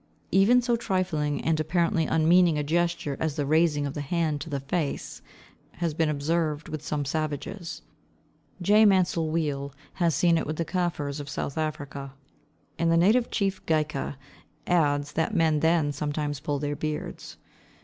Even so trifling and apparently unmeaning a gesture as the raising of the hand to the face has been observed with some savages. Mr. J. Mansel Weale has seen it with the Kafirs of South Africa; and the native chief Gaika adds, that men then "sometimes pull their beards."